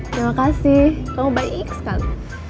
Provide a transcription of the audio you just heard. terima kasih kamu baik sekali